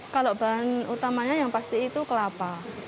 kalau bahan utamanya yang pasti itu kelapa